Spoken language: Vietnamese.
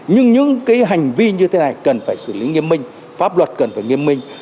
nhưng những hành vi như thế này cần phải xử lý nghiêm minh pháp luật cần phải nghiêm minh